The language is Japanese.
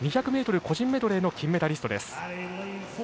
２００ｍ個人メドレーの金メダリストです。